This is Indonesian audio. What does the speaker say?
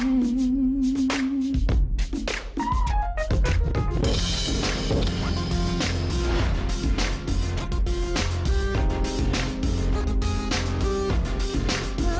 aku baru sekali nampak kalau anda mau worried tentang yang kanan itu ke depan